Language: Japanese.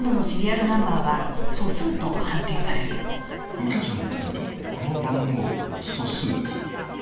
右京さんが言ったとおりこの番号素数です。